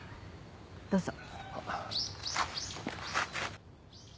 どうぞ。